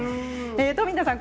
冨田さん